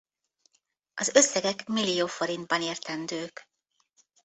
Az összegek millió Ft.-ban értendők.